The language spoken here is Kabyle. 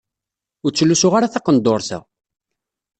Ur ttlusuɣ ara taqenduṛt-a.